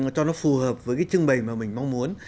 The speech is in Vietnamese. mà cho nó phù hợp với cái trưng bày mà mình mong muốn